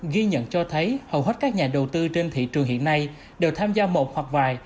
ghi nhận cho thấy hầu hết các nhà đầu tư trên thị trường hiện nay đều tham gia một hoặc vài